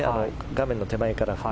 画面の手前から。